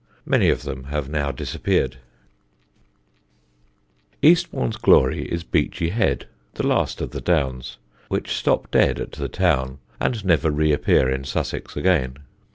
Many of them have now disappeared. [Sidenote: BEACHY HEAD] Eastbourne's glory is Beachy Head, the last of the Downs, which stop dead at the town and never reappear in Sussex again.